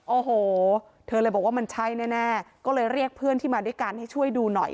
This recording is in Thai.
โอ้โหเธอเลยบอกว่ามันใช่แน่ก็เลยเรียกเพื่อนที่มาด้วยกันให้ช่วยดูหน่อย